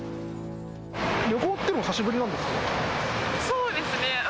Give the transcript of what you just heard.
旅行ってもう久しぶりなんでそうですね。